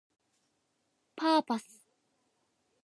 パーパス